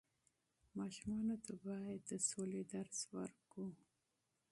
ماشومانو ته بايد د سولې درس ورکړو.